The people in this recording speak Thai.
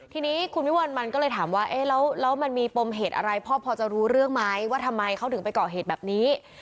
ทีนี้คุณวิวัลมันก็เลยถามว่าเอ๊ะแล้วมันมีปมเหตุอะไรพ่อพอจะรู้เรื่องไหมว่าทำไมเขาถึงไปก่อเหตุแบบนี้